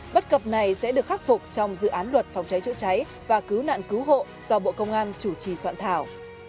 bất cập này sẽ được khắc phục trong dự án luật phòng cháy chữa cháy và cứu nạn cứu hộ do bộ công an chủ trì soạn thảo